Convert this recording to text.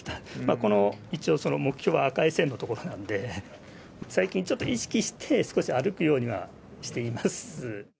この一応目標は赤い線の所なんで、最近、ちょっと意識して少し歩くようにはしています。